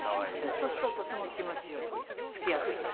そうするととても気持ちよく付き合ってくださる。